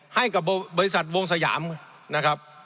ให้กับบริษัทวงสยามนะครับ